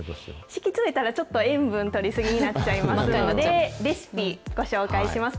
敷き詰めたら、ちょっと塩分とり過ぎになっちゃいますので、レシピ、ご紹介します。